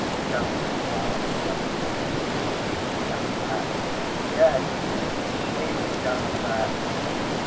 Tom laughed softly. 'She done that. Yes, she done that!